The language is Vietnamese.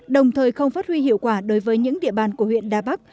đồng thời không phát huy hiệu quả đối với những địa bàn của huyện đà bắc